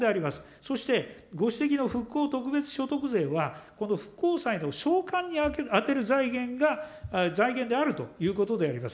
そして、ご指摘の復興特別所得税は、この復興債の償還に充てる財源が財源であるということであります。